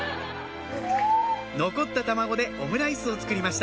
残った卵でオムライスを作りました